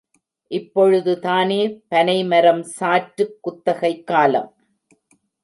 இப்பொழுதுதானே பனைமரம் சாற்றுக் குத்தகைக் காலம்?